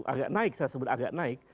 agak naik saya sebut agak naik